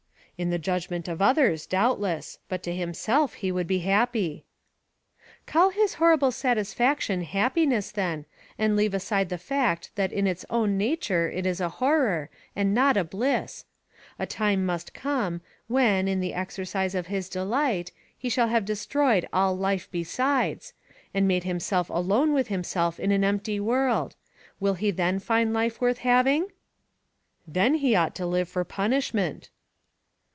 "In the judgment of others, doubtless; but to himself he would be happy." "Call his horrible satisfaction happiness then, and leave aside the fact that in its own nature it is a horror, and not a bliss: a time must come, when, in the exercise of his delight, he shall have destroyed all life besides, and made himself alone with himself in an empty world: will he then find life worth having?" "Then he ought to live for punishment."